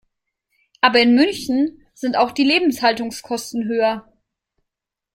Aber in München sind auch die Lebenshaltungskosten höher.